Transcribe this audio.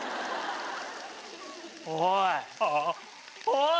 おい。